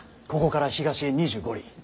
ここから東へ２５里。